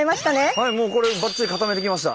はいもうこればっちり固めてきました。